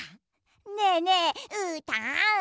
ねえねえうーたん。